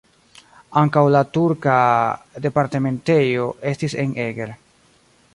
Ankaŭ la turka departementejo estis en Eger.